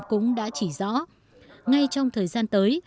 cũng đã chỉ rõ ngay trong thời gian tới